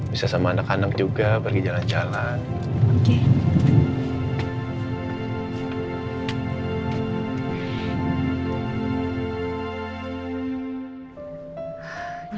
bisa sama anak anak juga pergi jalan jalan